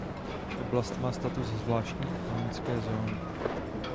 Oblast má status zvláštní ekonomické zóny.